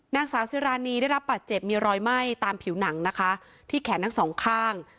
นางสาวซิรานีได้รับบาดเจ็บมีรอยไหม้ตามผิวหนังนะคะที่แขนทั้งสองข้าง